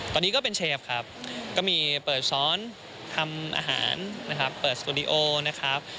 ตอนนี้ก็เป็นเชฟครับก็มีเปิดซ้อนทำอาหารนะครับเปิดสตูดิโอนะครับ